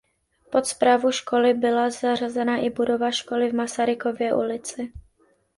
Pod správu školy byla zařazena i budova školy v Masarykově ulici.